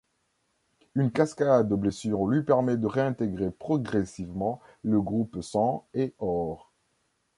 Une cascade de blessures lui permet de réintégrer progressivement le groupe Sang et Or.